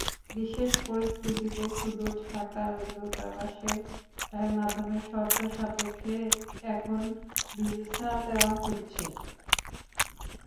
বিশেষ পরিস্থিতিতে শুধু ঢাকার দূতাবাসের মাধ্যমে শর্ত সাপেক্ষে এখন ভিসা দেওয়া হচ্ছে।